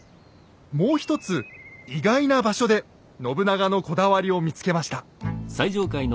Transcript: もう一つ意外な場所で信長のこだわりを見つけました。